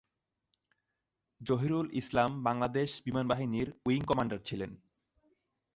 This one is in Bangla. জহিরুল ইসলাম বাংলাদেশ বিমান বাহিনীর উইং কমান্ডার ছিলেন।